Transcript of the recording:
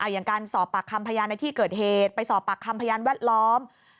อย่างการสอบปากคำพยานในที่เกิดเหตุไปสอบปากคำพยานแวดล้อม